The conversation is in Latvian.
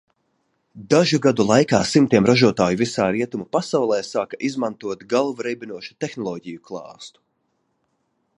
Dažu gadu laikā simtiem ražotāju visā rietumu pasaulē sāka izmantot galvu reibinošu tehnoloģiju klāstu.